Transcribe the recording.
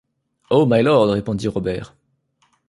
Oh! mylord, répondit Robert.